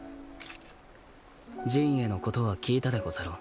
刃衛のことは聞いたでござろう。